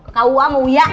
ke kua mau ya